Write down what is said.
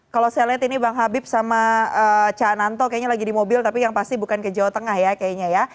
kalau saya lihat ini bang habib sama cak nanto kayaknya lagi di mobil tapi yang pasti bukan ke jawa tengah ya kayaknya ya